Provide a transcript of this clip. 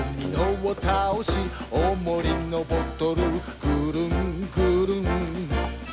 「おもりのボトルぐるんぐるん」